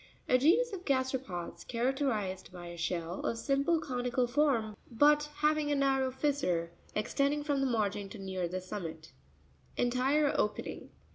A genus of gasteropods, character ized by a shell of simple conical form, but having a narrow fissure, extending from the margin to near the summit (page 61). ENTIRE opeNinc.